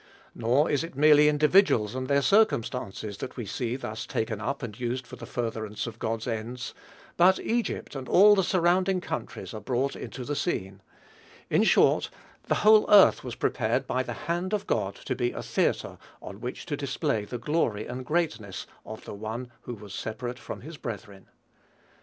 Nor is it merely individuals and their circumstances that we see thus taken up and used for the furtherance of God's ends; but Egypt and all the surrounding countries are brought into the scene; in short, the whole earth was prepared by the hand of God to be a theatre on which to display the glory and greatness of the one "who was separate from his brethren."